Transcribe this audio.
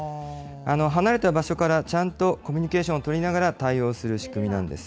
離れた場所から、ちゃんとコミュニケーションを取りながら対応する仕組みなんです。